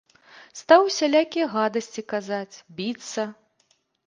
Стаў усялякія гадасці казаць, біцца.